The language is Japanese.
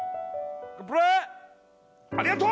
ありがとう！